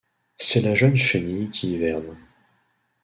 C'est la jeune chenille qui hiverne.